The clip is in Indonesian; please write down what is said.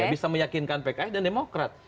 bisa meyakinkan pks dan demokrat